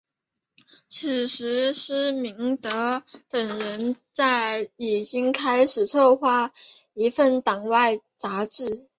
此时施明德等人就已经开始筹划一份党外杂志。